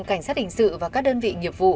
cảnh sát hình sự và các đơn vị nghiệp vụ